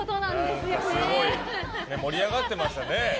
盛り上がってましたね。